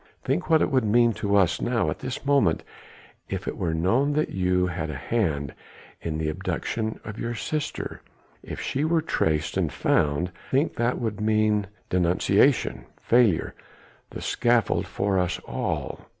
Think what it would mean to us now at this moment if it were known that you had a hand in the abduction of your sister ... if she were traced and found! think what that would mean denunciation failure the scaffold for us all!"